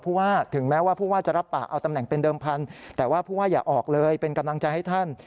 ว่าถึงแม้ว่าผู้ว่าจะรับปากเอาตำแหน่งเป็นเดิมพันธุ์แต่ว่าผู้ว่าอย่าออกเลยเป็นกำลังใจให้ท่าน